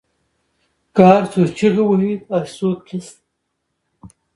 که هر څو چیغې وهي داسې څوک نشته